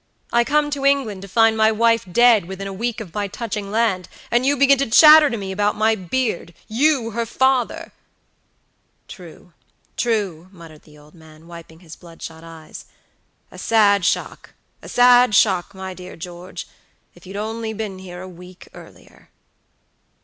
I come to England to find my wife dead within a week of my touching land, and you begin to chatter to me about my beardyou, her father!" "True! true!" muttered the old man, wiping his bloodshot eyes; "a sad shock, a sad shock, my dear George. If you'd only been here a week earlier."